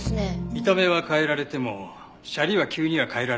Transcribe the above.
見た目は変えられてもシャリは急には変えられないはずです。